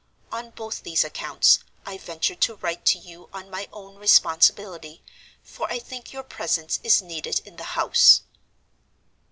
On both these accounts, I venture to write to you on my own responsibility, for I think your presence is needed in the house.